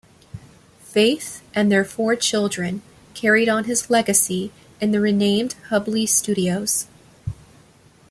Faith and their four children carried on his legacy in the renamed Hubley Studios.